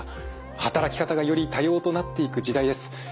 働き方がより多様となっていく時代です。